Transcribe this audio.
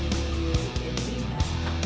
dan memiliki kesempatan